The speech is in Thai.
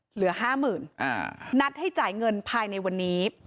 เหลือ๕๐๐๐๐บาทนัดให้จ่ายเงินภายในวันนี้